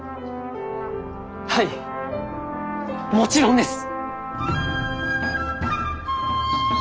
はいもちろんです！